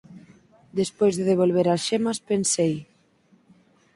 Despois de devolver as xemas, pensei